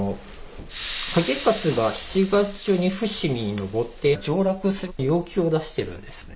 景勝が七月中に伏見に上って上洛する要求を出しているんですね。